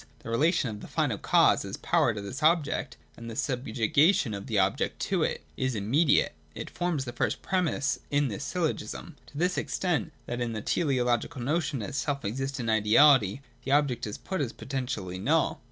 The relation of the final cause as power to this object, and the subjuga tion of the object to it, is immediate (it forms the first premiss in the syllogism) to this extent, that in the teleological notion as the self existent ideality the object is put as potentially null.